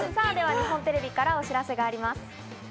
日本テレビからお知らせがあります。